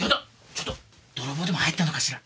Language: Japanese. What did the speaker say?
ちょっと泥棒でも入ったのかしら？